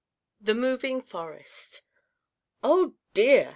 THE MOVING FOREST. "Oh, dear!"